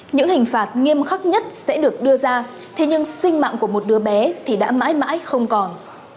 những hình phạt nghiêm khắc nhất sẽ được đưa ra thế nhưng sinh mạng của một đứa bé thì đã mãi mãi không còn